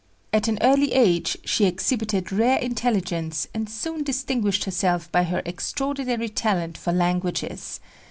At an early age she exhibited rare intelligence and soon distinguished herself by her extraordinary talent for languages.